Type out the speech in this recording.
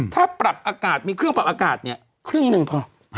ถ้าปรับอากาศมีเครื่องปรับอากาศเนี่ยครึ่งหนึ่งพอ